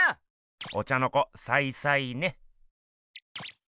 お茶の子サイサイね。